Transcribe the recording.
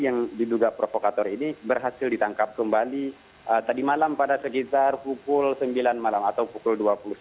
yang diduga provokator ini berhasil ditangkap kembali tadi malam pada sekitar pukul sembilan malam atau pukul dua puluh satu